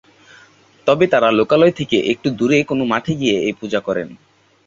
তবে তারা লোকালয় থেকে একটু দূরে কোনো মাঠে গিয়ে এই পূজা করেন।